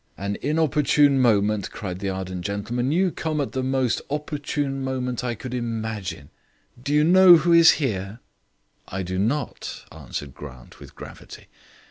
"An inopportune moment," cried the ardent gentleman. "You come at the most opportune moment I could imagine. Do you know who is here?" "I do not," answered Grant, with gravity.